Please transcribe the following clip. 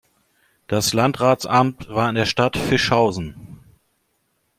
Das Landratsamt war in der Stadt Fischhausen.